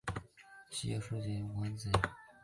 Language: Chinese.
七叶树亚科为无患子科下之一亚科。